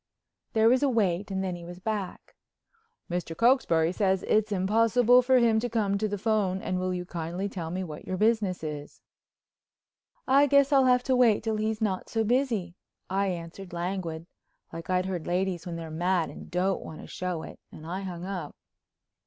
There was a wait and then he was back. "Mr. Cokesbury says it's impossible for him to come to the phone and will you kindly tell me what your business is." "I guess I'll have to wait till he's not so busy," I answered, languid, like I've heard ladies when they're mad and don't want to show it, and I hung up.